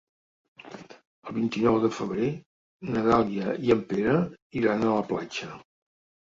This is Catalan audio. El vint-i-nou de febrer na Dàlia i en Pere iran a la platja.